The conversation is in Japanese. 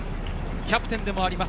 キャプテンでもあります。